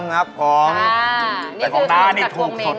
แต่ของน้านี่ถูกสด